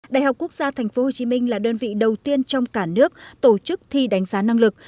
đại học quốc gia tp hcm là đơn vị đầu tiên trong cả nước tổ chức thi đánh giá năng lực